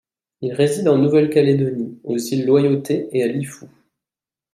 Il réside en Nouvelle-Calédonie, aux iles Loyauté et à Lifou.